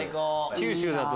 九州だと。